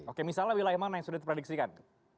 oke misalnya wilayah mana yang sudah diprediksikan